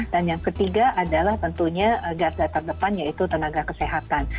dan yang ketiga adalah tentunya garda terdepan yaitu tenaga kesehatan